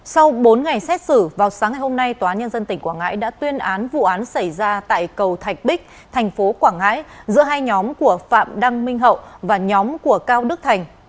sau bốn ngày xét xử vào sáng ngày hôm nay tòa nhân dân tỉnh quảng ngãi đã tuyên án vụ án xảy ra tại cầu thạch bích thành phố quảng ngãi giữa hai nhóm của phạm đăng minh hậu và nhóm của cao đức thành